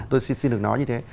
tôi xin được nói như thế